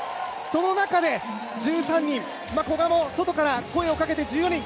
その中で１３人、古賀も外から声をかけて、１４人。